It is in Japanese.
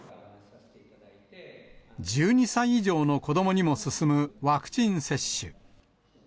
１２歳以上の子どもにも進むワクチン接種。